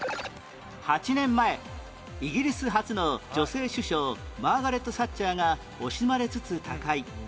８年前イギリス初の女性首相マーガレット・サッチャーが惜しまれつつ他界